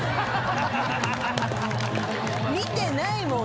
見てないもん